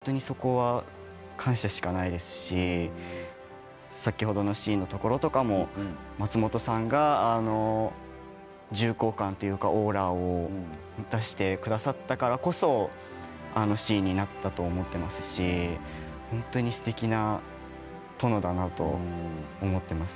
気を配っていただいていて本当にそこは感謝しかないですし先ほどのシーンのところとかも松本さんが重厚感というかオーラを出してくださったからこそあのシーンになったと思っていますし本当にすてきな殿だなと思っています。